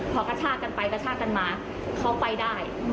พอกระชากกันไปกระชากกันมาเขาไปได้